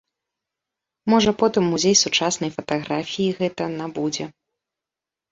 Можа, потым музей сучаснай фатаграфіі гэта набудзе.